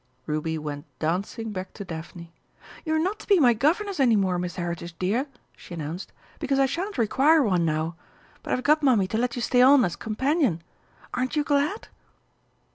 Ruby went dancing back to Daphne. "You're not to be my governess any more, Miss Heritage, dear," she announced, "because I shan't require one now. But I've got Mummy to let you stay on as companion. Aren't you glad?"